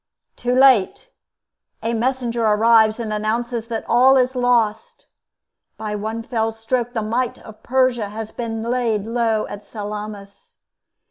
Too late! A messenger arrives and announces that all is lost. By one fell stroke the might of Persia has been laid low at Salamis.